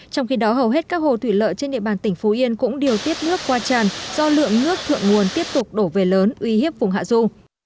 trong khi đó hầu hết các hồ thủy lợi trên địa bàn tỉnh phú yên cũng điều tiết nước qua tràn do lượng nước thượng nguồn tiếp tục đổ về lớn uy hiếp vùng hạ du